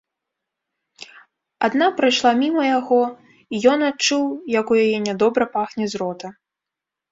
Адна прайшла міма яго, і ён адчуў, як у яе нядобра пахне з рота.